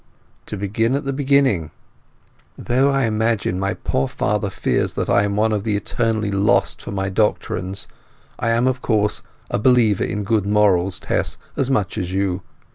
To begin at the beginning. Though I imagine my poor father fears that I am one of the eternally lost for my doctrines, I am of course, a believer in good morals, Tess, as much as you.